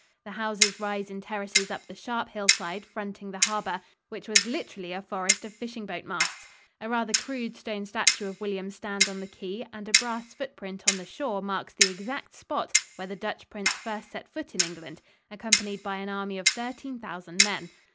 The houses rise in terraces up the sharp hillside fronting the harbor, which was literally a forest of fishing boat masts. A rather crude stone statue of William stands on the quay and a brass foot print on the shore marks the exact spot where the Dutch prince first set foot in England, accompanied by an army of thirteen thousand men.